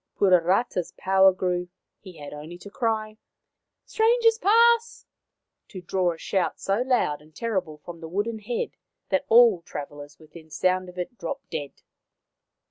Puarata' s power grew. He had only to cry, " Strangers pass !" to draw a shout so loud and terrible from the wooden head that all travellers within sound of it dropped dead.